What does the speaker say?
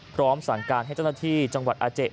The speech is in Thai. พร้อมสั่งการให้เจ้าหน้าที่จังหวัดอาเจ